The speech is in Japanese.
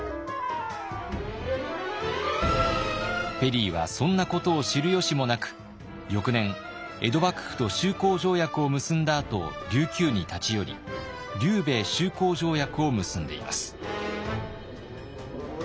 ペリーはそんなことを知る由もなく翌年江戸幕府と修好条約を結んだあと琉球に立ち寄り琉米修好条約を結んでいます。